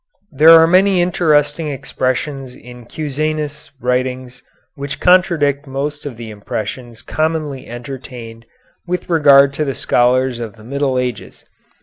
There are many interesting expressions in Cusanus' writings which contradict most of the impressions commonly entertained with regard to the scholars of the Middle Ages.